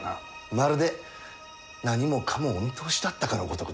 まるで何もかもお見通しだったかのごとくですなあ。